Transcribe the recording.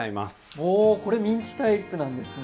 おおこれミンチタイプなんですね。